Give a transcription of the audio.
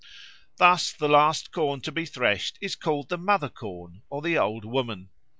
Thus the last corn to be threshed is called the Mother Corn or the Old Woman.